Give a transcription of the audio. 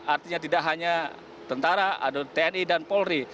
artinya tidak hanya tentara ada tni dan polri